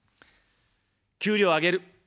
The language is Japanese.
給料を上げる。